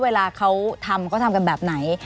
เวลาเขาทำเขาทำกันแบบไหน